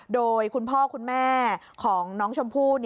โดยคุณพ่อคุณแม่ของน้องชมพู่